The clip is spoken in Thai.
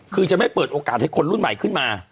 คือจะไม่เปิดโอกาสให้คนรุ่นใหม่ขึ้นมา